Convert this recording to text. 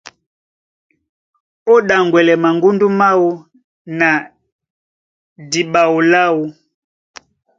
Ó ɗaŋgwɛlɛ maŋgúndú máō na diɓoa láō.